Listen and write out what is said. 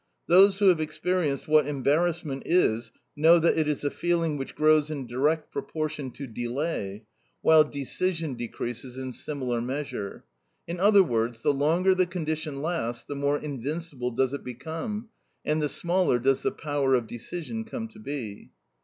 Those who have experienced what embarrassment is know that it is a feeling which grows in direct proportion to delay, while decision decreases in similar measure. In other words the longer the condition lasts, the more invincible does it become, and the smaller does the power of decision come to be.